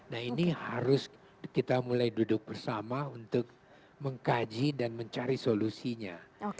nah ini harus kita mulai duduk bersama untuk mengkaji dan mencari solusinya